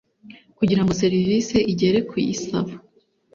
kugirango serivise igere kuyisaba